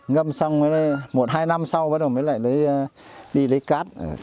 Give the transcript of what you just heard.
ngâm xong một hai năm sau mới lại đi lấy cát